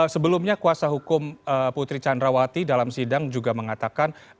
sebelumnya kuasa hukum putri candrawati dalam sidang juga mengatakan